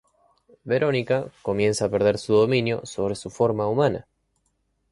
Verónica comienza a perder su dominio sobre su forma humana.